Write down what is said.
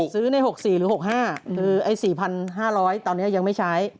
ซื้อใน๖๔หรือ๖๕คือไอ้๔๕๐๐ตอนนี้ยังไม่ใช้